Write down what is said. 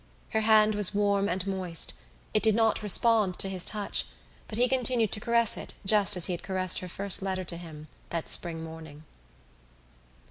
Her hand was warm and moist: it did not respond to his touch but he continued to caress it just as he had caressed her first letter to him that spring morning.